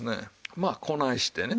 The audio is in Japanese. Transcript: まあこないしてね